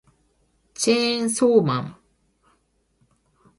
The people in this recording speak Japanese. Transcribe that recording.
チェーンソーマン